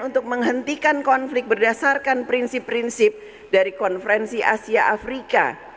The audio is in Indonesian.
untuk menghentikan konflik berdasarkan prinsip prinsip dari konferensi asia afrika